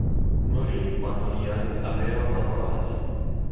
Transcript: Morì quando Liang aveva quattro anni.